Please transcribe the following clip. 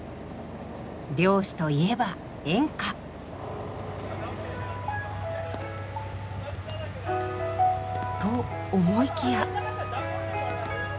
漁師といえば演歌。と思いきや。